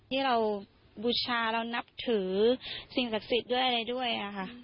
ที่เราบูชาเรานับถือสิ่งศักดิ์สิทธิ์ด้วยอะไรด้วยค่ะ